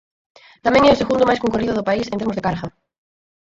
Tamén é o segundo máis concorrido do país en termos de carga.